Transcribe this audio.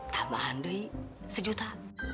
tambahan duit sejuta